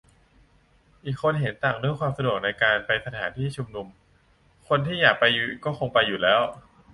อีกคนเห็นต่างเรื่องความสะดวกในการไปสถานที่ชุมนุม คนที่อยากไปก็คงไปอยู่แล้ว